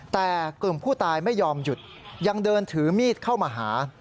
แต่กลุ่มผู้ตายไม่ยอมหยุดยังเดินถือมีดเข้ามาหา